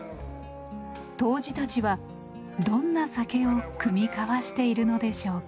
杜氏たちはどんな酒を酌み交わしているのでしょうか？